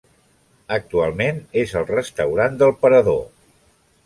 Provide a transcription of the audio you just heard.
Actualment és el restaurant del Parador.